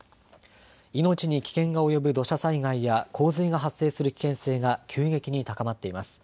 命に危険が及ぶ土砂災害や洪水が発生する危険性が急激に高まっています。